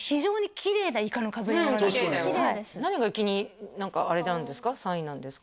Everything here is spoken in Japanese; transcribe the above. きれいだよ何が気にあれなんですか？